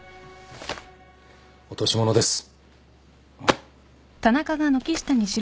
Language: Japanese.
落とし物です。